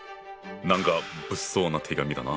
なんか物騒な手紙だな。